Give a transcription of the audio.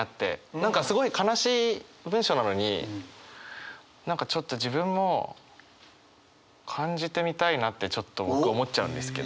何かすごい悲しい文章なのに何かちょっと自分も感じてみたいなってちょっと僕は思っちゃうんですけど。